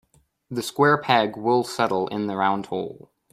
The square peg will settle in the round hole.